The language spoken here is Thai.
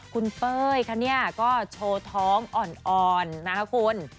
คุณเป้ยคะเนี่ยก็โชว์ท้องอ่อนนะคะคุณ